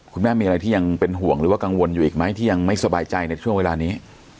คุณแม่มีอะไรที่ยังเป็นห่วงหรือว่ากังวลอยู่อีกไหมที่ยังไม่สบายใจในช่วงเวลานี้